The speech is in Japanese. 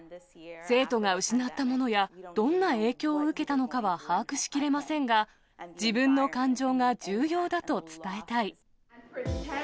生徒が失ったものやどんな影響を受けたのかは把握しきれませんが、自分の感情が重要だと伝えたい。